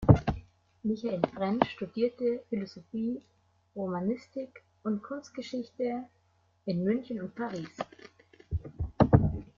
Michael Frensch studierte Philosophie, Romanistik und Kunstgeschichte in München und Paris.